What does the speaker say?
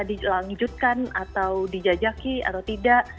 dilanjutkan atau dijajaki atau tidak